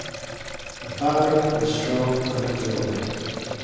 The fabric was strong and absorbent.